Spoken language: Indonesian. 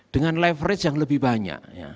dengan leverage yang lebih banyak